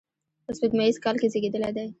په سپوږمیز کال کې زیږېدلی دی.